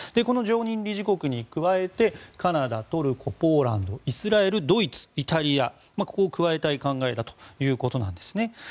この常任理事国に加えてカナダ、トルコ、ポーランドイスラエル、ドイツ、イタリアを加えたい考えだということです。